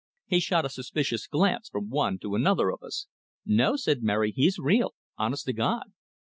He shot a suspicious glance from one to another of us. "No," said Mary, "he's real. Honest to God!"